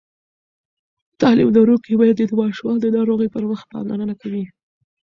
تعلیم لرونکې میندې د ماشومانو د ناروغۍ پر وخت پاملرنه کوي.